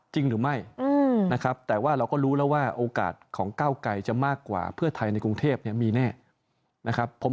จริงหรือไม่นะครับแต่ว่าเราก็รู้แล้วว่าโอกาสของก้าวไกรจะมากกว่าเพื่อไทยในกรุงเทพมีแน่นะครับ